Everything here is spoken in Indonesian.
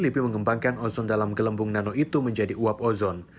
penyelidikan ozon dalam gelembung nano itu menjadi uap ozon